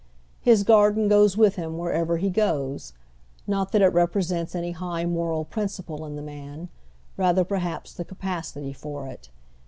His garden goes with him wherever he goes. !Not that it represents any high moral principle in the man ; rather perhaps the capacity for it.